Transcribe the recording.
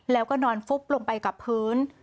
แล้วก็นอนฟุบลงไปกับพื้น